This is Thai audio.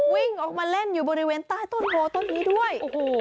วิ่งออกมาเล่นอยู่บริเวณต้นโพต้นนี้ด้วย